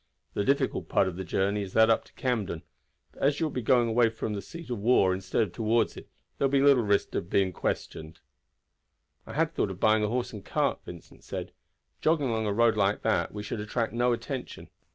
The difficult part of the journey is that up to Camden, but as you will be going away from the seat of war instead of toward it there will be little risk of being questioned." "I had thought of buying a horse and cart," Vincent said. "Jogging along a road like that we should attract no attention.